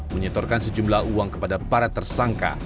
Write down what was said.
menyetorkan sejumlah uang kepada para tersangka